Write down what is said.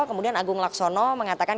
kemudian agung laksono mengatakan